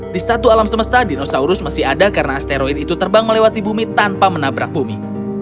di satu alam semesta dinosaurus masih ada karena asteroid itu terbang melewati bumi tanpa menabrak bumi